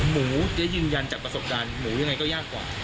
หมูจะยืนยันจากประสบการณ์หมูยังไงก็ยากกว่า